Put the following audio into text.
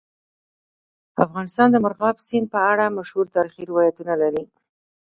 افغانستان د مورغاب سیند په اړه مشهور تاریخي روایتونه لري.